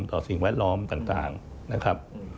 สิ่งแวดล้อมต่างนะครับ